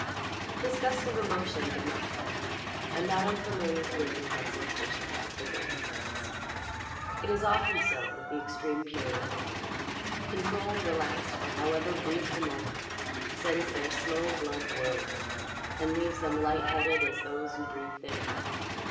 His gust of emotion had left him; a not unfamiliar feeling of exaltation had taken its place. It is often so with the extreme Puritan type; control relaxed for however brief a moment sends their slow blood whirling, and leaves them light headed as those who breathe thin air.